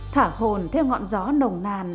thả hồn theo ngọn gió nồng nàn